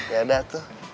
ya dah tuh